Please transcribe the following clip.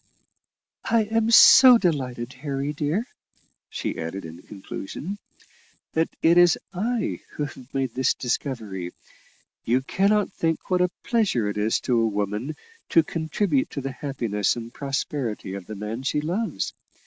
"I am so delighted, Harry, dear," she added in conclusion, "that it is I who have made this discovery: you cannot think what a pleasure it is to a woman to contribute to the happiness and prosperity of the man she loves.